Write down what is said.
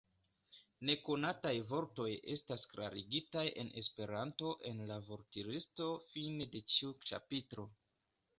Nekonataj vortoj estas klarigitaj en Esperanto en la vortlisto fine de ĉiu ĉapitro.